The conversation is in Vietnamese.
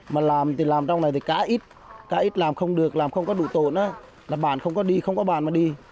mà làm thì làm trong này thì cá ít cá ít làm không được làm không có đủ tồn là bàn không có đi không có bàn mà đi